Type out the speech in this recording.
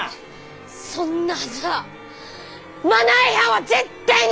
そんなはずはマナー違反は絶対に。